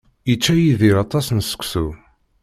Yečča Yidir aṭas n seksu.